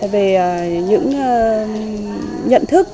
về những nguyên liệu của văn hóa tinh thần